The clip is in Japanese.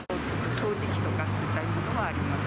掃除機とか捨てたりというのはあります。